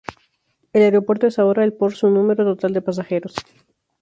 El aeropuerto es ahora el por su número total de pasajeros.